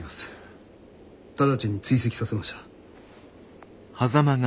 直ちに追跡させました。